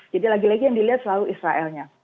jadi lagi lagi yang dilihat selalu israelnya